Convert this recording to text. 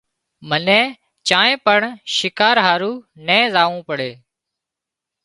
منين چانئين پڻ شڪار هارو نين زاوون پڙي